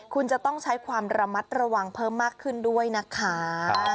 คุณจะต้องใช้ความระมัดระวังเพิ่มมากขึ้นด้วยนะคะ